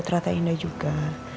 teratai indah juga